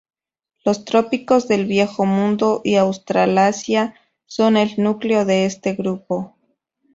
Los trópicos del Viejo Mundo y Australasia son el núcleo de este grupo.